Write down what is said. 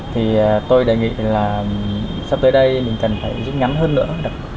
thì tôi đề nghị là sắp tới đây mình cần phải rút ngắn hơn nữa